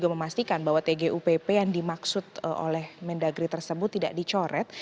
memastikan bahwa tgupp yang dimaksud oleh mendagri tersebut tidak dicoret